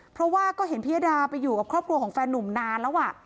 เพราะว่าก็เห็นพิยดาไปอยู่กับครอบครัวของแฟนนุ่มนานแล้ว